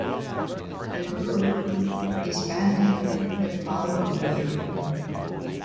The group disbanded the following year.